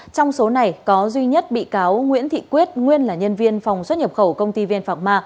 trong số này có duy nhất bị cáo nguyễn thị quyết nguyên là nhân viên phòng xuất nhập khẩu công ty vn phạc ma